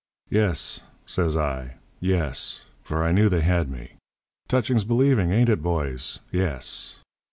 "'Yes,' says I, 'yes,' for I knew they had me. 'Touching's believing, ain't it, boys? Yes.